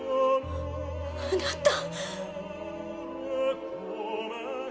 あなた。